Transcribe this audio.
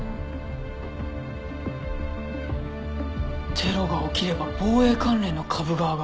テロが起きれば防衛関連の株が上がる。